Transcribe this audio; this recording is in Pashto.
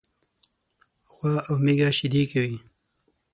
غوا او میږه شيدي کوي.